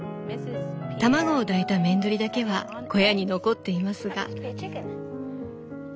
卵を抱いたメンドリだけは小屋に残っていますが」。